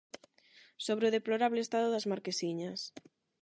Sobre o deplorable estado das marquesiñas.